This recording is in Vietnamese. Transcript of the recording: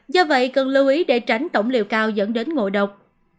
do vậy cần lưu ý để tránh tổng liều cao dẫn đến ngộ độc